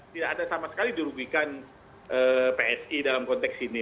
tidak ada sama sekali dirugikan psi dalam konteks ini